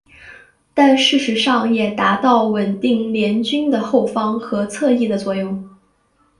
但事实上也达到稳定联军的后方和侧翼的作用。